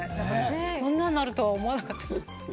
そんなになるとは思わなかった。